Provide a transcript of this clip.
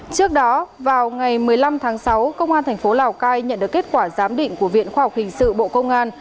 trước đó vào ngày một mươi năm tháng sáu công an tp lào cai nhận được kết quả giám định của viện khoa học hình sự bộ công an